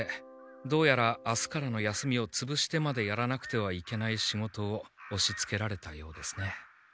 どうやら明日からの休みをつぶしてまでやらなくてはいけない仕事をおしつけられたようですね。